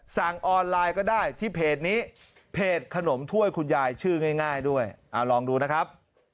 สั่งออนไลน์ก็ได้ที่เพจนี้เพจขนมถ้วยคุณยายชื่อง่ายด้วยเอาลองดูนะครับ